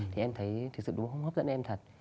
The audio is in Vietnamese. thì em thấy thực sự đúng không hấp dẫn em thật